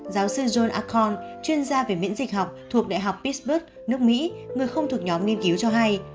giáo sư john acon chuyên gia về miễn dịch học thuộc đại học pitberg nước mỹ người không thuộc nhóm nghiên cứu cho hay